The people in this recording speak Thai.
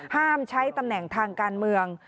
ห้ามใช้ตำแหน่งทางการเมือง